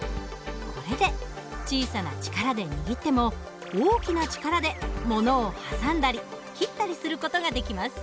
これで小さな力で握っても大きな力で物を挟んだり切ったりする事ができます。